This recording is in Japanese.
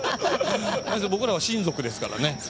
僕らは親族ですからね。